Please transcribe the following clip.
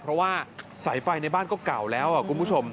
เพราะว่าสายไฟในบ้านก็เก่าแล้วคุณผู้ชม